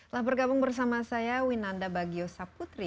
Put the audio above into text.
lah bergabung bersama saya winanda bagyosa putri